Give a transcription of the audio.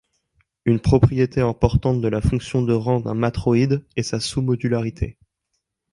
Une propriété importante de la fonction de rang d'un matroïde est sa sous-modularité.